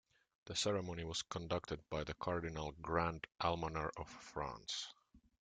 The ceremony was conducted by the Cardinal Grand Almoner of France.